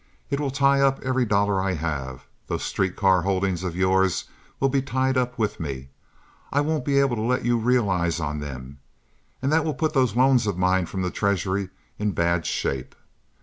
It will tie up every dollar I have. Those street car holdings of yours will be tied up with me. I won't be able to let you realize on them, and that will put those loans of mine from the treasury in bad shape.